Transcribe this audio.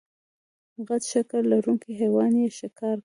غټ ښکر لرونکی حیوان یې ښکار کړ.